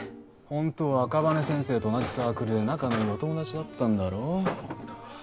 ホントは赤羽先生と同じサークルで仲の良いお友達だったんだろう？